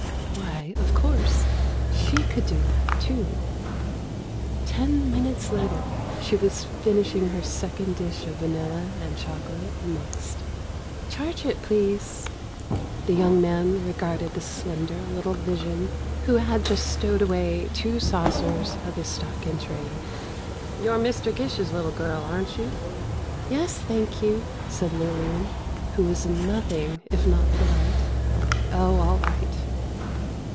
Why, of course—she could do that, too. Ten minutes later she was finishing her second dish of vanilla and chocolate mixed. "Charge it, please." The young man regarded the slender little vision, who had just stowed away two saucers of his stock in trade. "You're Mr. Gish's little girl, aren't you?" "Yes, thank you," said Lillian, who was nothing if not polite. "Oh, all right."